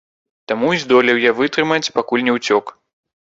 Таму і здолеў я вытрымаць, пакуль не ўцёк.